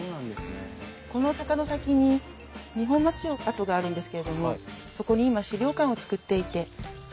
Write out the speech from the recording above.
この坂の先に二本松城跡があるんですけれどもそこに今資料館を作っていてその準備担当をされているんです。